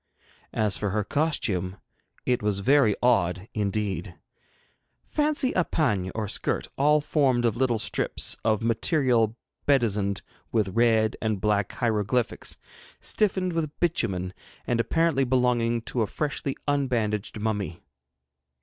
As for her costume, it was very odd indeed. Fancy a pagne, or skirt, all formed of little strips of material bedizened with red and black hieroglyphics, stiffened with bitumen, and apparently belonging to a freshly unbandaged mummy.